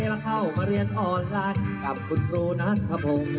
เราเข้ามาเรียนออนไลน์กับคุณครูนัทครับผม